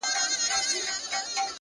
جنت سجده کي دی جنت په دې دنيا کي نسته-